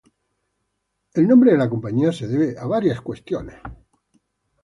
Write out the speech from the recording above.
El nombre de la compañía se debe a varias cuestiones.